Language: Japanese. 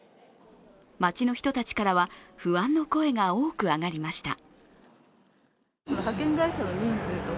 街の人たちからは不安の声が多く上がりました。